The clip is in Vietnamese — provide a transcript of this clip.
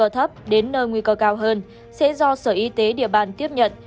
nguy cơ thấp đến nơi nguy cơ cao hơn sẽ do sở y tế địa bàn tiếp nhận